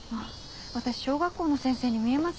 私小学校の先生に見えます？